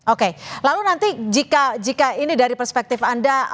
oke lalu nanti jika ini dari perspektif anda